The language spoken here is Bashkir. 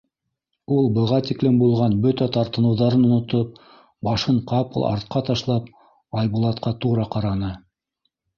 Ул, быға тиклем булған бөтә тартыныуҙарын онотоп, башын ҡапыл артҡа ташлап, Айбулатҡа тура ҡараны.